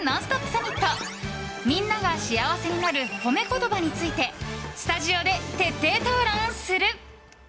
サミットみんなが幸せになるホメ言葉についてスタジオで徹底討論する。